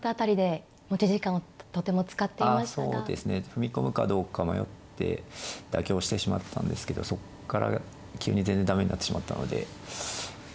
踏み込むかどうか迷って妥協してしまったんですけどそこから急に全然駄目になってしまったのではい。